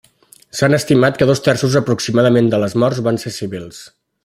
S'ha estimat que dos terços aproximadament de les morts van ser civils.